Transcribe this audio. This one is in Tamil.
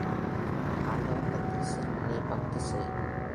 ஆண்டவனிடத்தில் சென்று நீ பக்தி செய்.